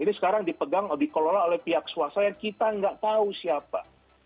ini sekarang dipegang dikelola oleh pihak swasta yang kita nggak tahu siapa